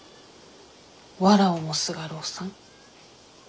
わらをもすがるおっさん？